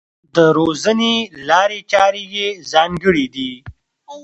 د روزنې لارې چارې یې ځانګړې دي.